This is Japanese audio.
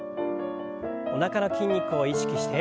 おなかの筋肉を意識して。